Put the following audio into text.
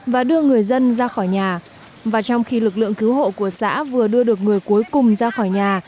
và đưa người dân ra khỏi nhà và trong khi lực lượng cứu hộ của xã vừa đưa được người cuối cùng ra khỏi nhà